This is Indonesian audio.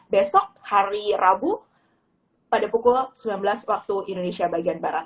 besok hari rabu pada pukul sembilan belas waktu indonesia bagian barat